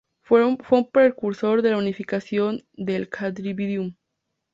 Fue un precursor de la unificación del quadrivium.